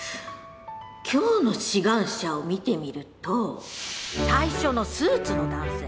今日の志願者を見てみると最初のスーツの男性。